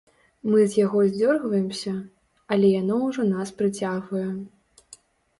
Мы з яго здзёргваемся, але яно ўжо нас прыцягвае.